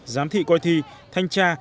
giám thị coi thi thanh tra